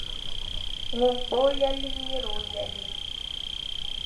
ŋun kpa o yɛlli n nyɛri o yɛlli.